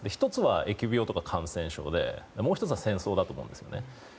１つは疫病とか感染症でもう１つは戦争だと思うんです。